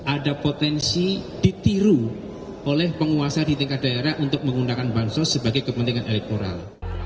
ada potensi ditiru oleh penguasa di tingkat daerah untuk menggunakan bansos sebagai kepentingan elektoral